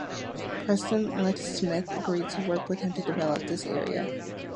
Preston Leete Smith agreed to work with him to develop this area.